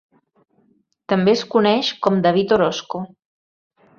També es coneix com David Orosco.